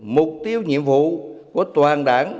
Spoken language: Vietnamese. mục tiêu nhiệm vụ của toàn đảng